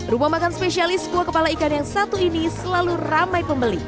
rumah makan spesialis kuah kepala ikan yang satu ini selalu ramai pembeli